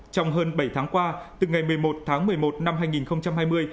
trong hơn bảy tháng qua từ ngày một mươi một tháng một mươi một năm hai nghìn hai mươi